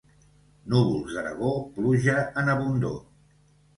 Núvols d'Aragó, pluja en abundor.